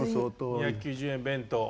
２９０円弁当。